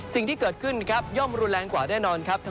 สิ่งที่เกิดขึ้นครับย่อมรุนแรงกว่าแน่นอนครับ